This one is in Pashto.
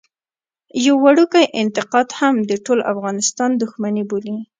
يو وړوکی انتقاد هم د ټول افغانستان دښمني بولي.